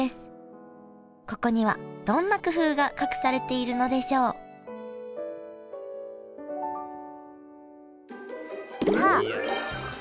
ここにはどんな工夫が隠されているのでしょう？さあ！